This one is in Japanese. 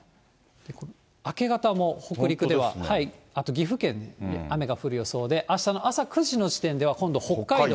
明け方も北陸では、あと岐阜県で雨が降る予想で、あしたの朝９時の時点では今度は北海道。